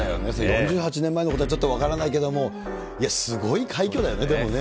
４８年前のことはちょっと分からないけれども、いや、すごい快挙だよね、でもね。